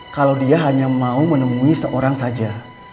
kalau dia hanya mau menemui seorang saja